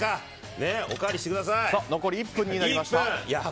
残り１分になりました。